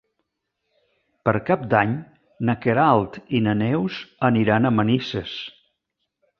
Per Cap d'Any na Queralt i na Neus aniran a Manises.